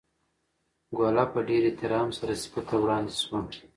ګوله په ډېر احترام سره سپي ته وړاندې شوه.